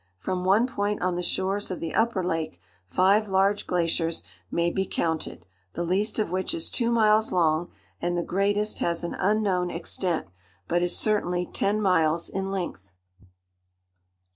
From one point on the shores of the upper lake, five large glaciers may be counted, the least of which is two miles long, and the greatest has an unknown extent, but is certainly ten miles in length.